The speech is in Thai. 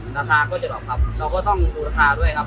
ราคาก็จะแบบครับเราก็ต้องดูราคาด้วยครับ